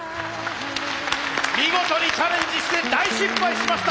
見事にチャレンジして大失敗しました！